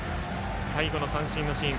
最後の三振のシーン。